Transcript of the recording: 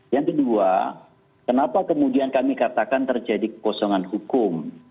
yang kedua kenapa kemudian kami katakan terjadi kekosongan hukum